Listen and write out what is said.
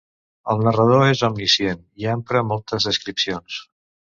El narrador és omniscient i empra moltes descripcions.